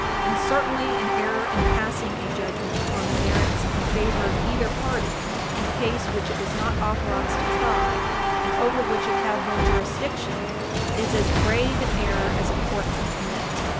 And certainly an error in passing a judgment upon the merits in favor of either party, in a case which it was not authorized to try, and over which it had no jurisdiction, is as grave an error as a court can commit.